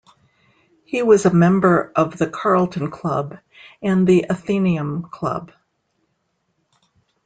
He was a member of the Carlton Club and the Athenaeum Club.